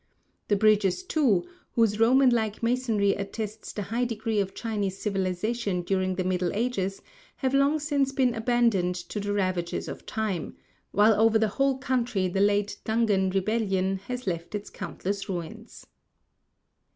The bridges, too, whose Roman like masonry attests the high degree of Chinese civilization during the middle ages, have long since been abandoned to the ravages of time; while over the whole country the late Dungan rebellion has left its countless ruins.